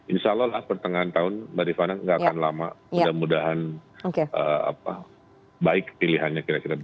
insya allah pertengahan tahun mbak rifana nggak akan lama mudah mudahan baik pilihannya kira kira